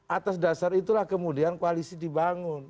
atas dasar itulah kemudian koalisi dibangun